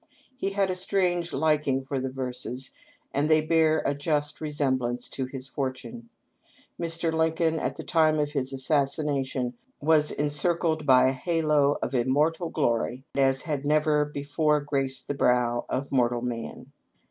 He had a strange liking for the verses, and they bear a just resemblance to his fortune. Mr. Lincoln, at the time of his assassination, was encircled by a halo of immortal glory such as had never before graced the brow of mortal man.